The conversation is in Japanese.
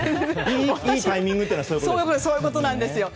いいタイミングということはそういうことですね。